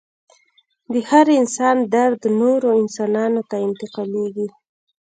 د هر انسان درد نورو انسانانو ته انتقالیږي.